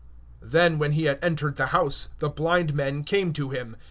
(28)And when he had come into the house, the blind men came to him.